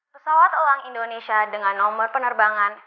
pesawat elang indonesia dengan nomor penerbangan